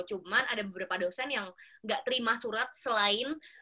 cuma ada beberapa dosen yang nggak terima surat selain